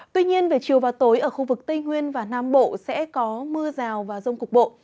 tuy nhiên về chiều và tối ở khu vực tây nguyên và nam bộ sẽ có mưa rào và rông cục bộ